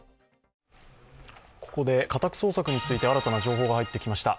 ここで家宅捜索について新たな情報が入ってきました。